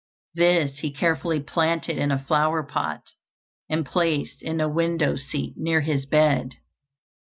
This he carefully planted in a flower pot, and placed in a window seat near his bed.